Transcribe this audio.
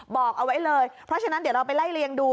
บอกเอาไว้เลยเพราะฉะนั้นเดี๋ยวเราไปไล่เลียงดู